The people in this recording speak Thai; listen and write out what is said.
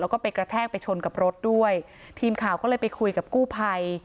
แล้วก็ไปกระแทกไปชนกับรถด้วยทีมข่าวก็เลยไปคุยกับกู้ภัย